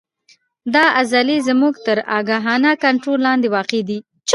دا عضلې زموږ تر آګاهانه کنترول لاندې واقع دي.